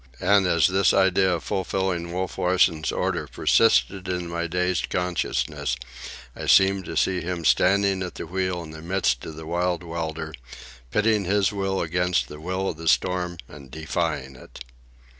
And as this idea of fulfilling Wolf Larsen's order persisted in my dazed consciousness, I seemed to see him standing at the wheel in the midst of the wild welter, pitting his will against the will of the storm and defying it.